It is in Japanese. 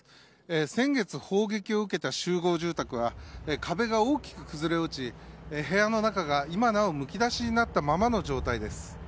先月砲撃を受けた集合住宅は壁が大きく崩れ落ち部屋の中が今なおむき出しになったままの状態です。